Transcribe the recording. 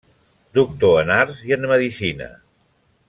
Doctor en arts i en medicina.